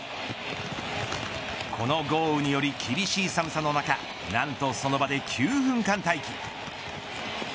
この豪雨により厳しい寒さの中なんとその場で、９分間待機。